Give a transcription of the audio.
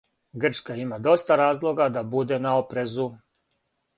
Грчка има доста разлога да буде на опрезу.